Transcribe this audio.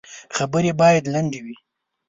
خبري باید لنډي وي .